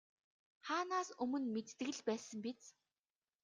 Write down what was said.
Хаанаас өмнө мэддэг л байсан биз.